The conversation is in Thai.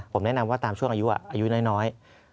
ผมแนะนำว่าตามช่วงอายุน้อย